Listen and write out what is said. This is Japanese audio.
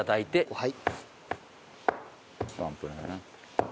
はい。